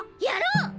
やろう！